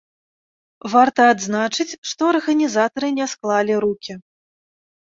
Варта адзначыць, што арганізатары не склалі рукі.